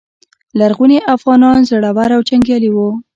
لرغوني افغانان زړور او جنګیالي وو